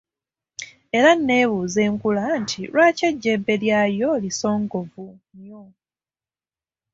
Era neebuuza enkula nti, lwaki ejjembe lyayo lisongovu nnyo.